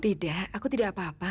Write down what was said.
tidak aku tidak apa apa